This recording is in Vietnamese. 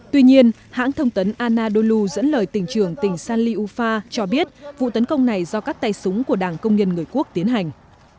tuy nhiên hãng thông tấn anadolu dẫn lời tỉnh trường tỉnh sanliufa cho biết vụ tấn công này do các tay súng của đảng công nghiên người quốc tiến hành